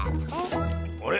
あれ？